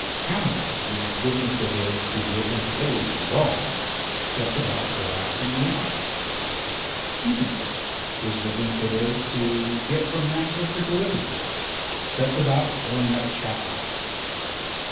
Hannibal, whose business it is to get into Italy from Gaul, sets about blasting the Alps. Stephenson, whose business it is to get from Manchester to Liverpool, sets about filling up Chat Moss.